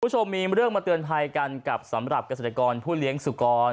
คุณผู้ชมมีเรื่องมาเตือนภัยกันกับสำหรับเกษตรกรผู้เลี้ยงสุกร